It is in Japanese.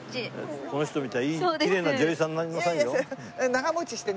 この人みたいにきれいな女優さんになりなさいよ。